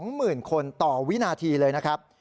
หมื่นคนต่อวินาทีเลยนะครับ